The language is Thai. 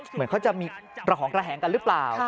เหมือนเขาจะมีระหองระแหงกันหรือเปล่า